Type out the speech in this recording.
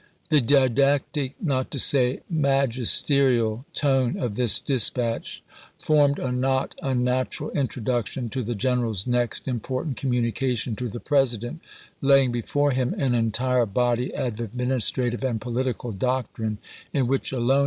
The didactic, not to say magisterial, tone of this dispatch formed a not unnatural introduction to the general's next important communication to the President, laying before him an entire body of ad 1862. haerison's landing 447 ministrative and political doctrine, in which alone, ch.